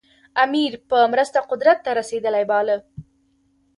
امیر په مرسته قدرت ته رسېدلی باله.